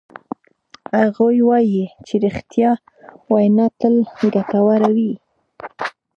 هغوی وایي چې ریښتیا وینا تل ګټوره وی